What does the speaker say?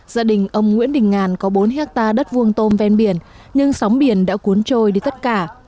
gia đình ông nguyễn đình ngàn có bốn hectare đất vuông tôm ven biển nhưng sóng biển đã cuốn trôi đi tất cả